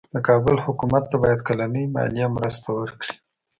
د کابل حکومت ته باید کلنۍ مالي مرسته ورکړي.